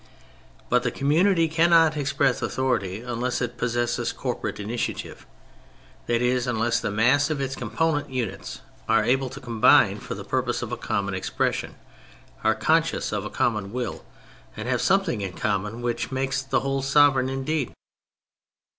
But the community cannot express author ity unless it possesses corporate initiative ; that is, unless the mass of its component units are able to combine for the purpose of a common expression, are conscious of a common will, and have something in common which makes the whole sovereign indeed.